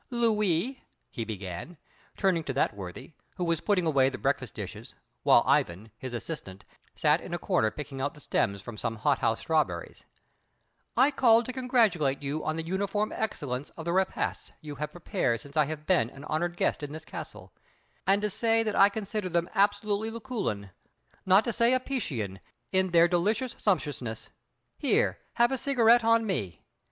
"Louis," he began, turning to that worthy, who was putting away the breakfast dishes, while Ivan, his assistant, sat in a corner picking out the stems from some hothouse strawberries; "I called to congratulate you on the uniform excellence of the repasts you have prepared since I have been an honored guest in this castle, and to say that I consider them absolutely Lucullan, not to say Apician, in their delicious sumptuousness. Here, have a cigarette on me."